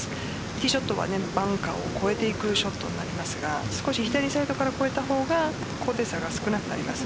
ティーショットがバンカーを越えていくショットになりますが少し左から超えた方が高低差が少なくなります。